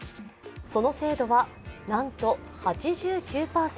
その精度はなんと８９％。